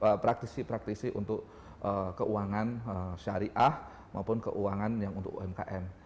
jadi itu praktisi praktisi untuk keuangan syariah maupun keuangan yang untuk umkm